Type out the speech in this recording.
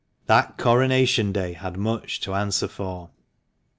321 That Coronation Day had much to answer for.